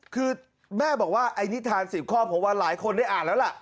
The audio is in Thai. คือแม่บอกว่าไอ้นิทาน๑๐ข้อผมว่าหลายคนได้อ่านแล้วล่ะ